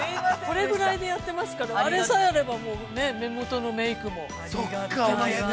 ◆これぐらいでやってますからあれさえあれば、もうね目元のメイクも。